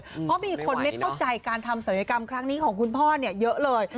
เพราะมีคนไม่เข้าใจการทำศัลยกรรมครั้งนี้ของคุณพ่อเยอะเลย